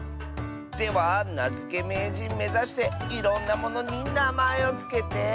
ではなづけめいじんめざしていろんなものになまえをつけて。